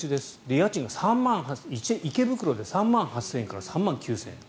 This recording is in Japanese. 家賃が池袋で３万８０００円から３万９０００円。